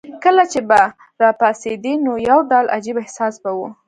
کله چې به راپاڅېدې نو یو ډول عجیب احساس به وو.